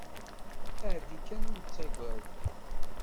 Ԑeddi kan ur ttagad.